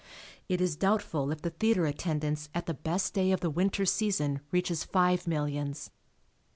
It is doubtful if the theatre attendance at the best day of the winter season reaches five millions.